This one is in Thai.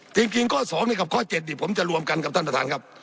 จริงจริงข้อ๒นะครับข้อ๗ผมจะรวมกันกับท่านประธานครับ